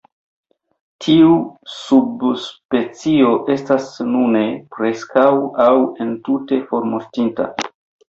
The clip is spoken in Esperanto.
Tiu subspecio estas nune "preskaŭ aŭ entute formortinta".